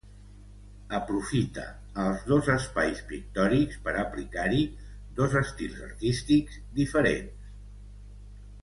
Aprofita els dos espais pictòrics per a aplicar-hi dos estils artístics diferents.